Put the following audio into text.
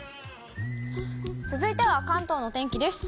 続いては関東のお天気です。